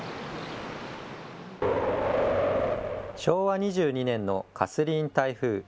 昭和２２年のカスリーン台風。